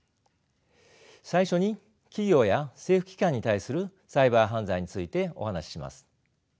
最初に企業や政府機関に対するサイバー犯罪についてお話しします。